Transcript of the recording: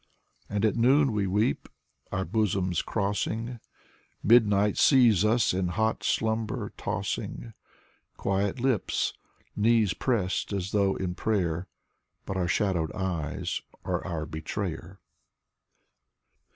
And at noon we weep, our bosoms crossing, Midnight sees us in hot slumber tossing: Quiet lips, knees pressed as though in prayer, But our shadowed eyes are our betrayer.